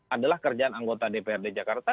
adalah kerjaan anggota dprd jakarta